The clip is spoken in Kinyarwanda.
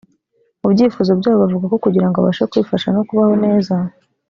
mu byifuzo byabo bavuga ko kugira ngo abashe kwifasha no kubaho neza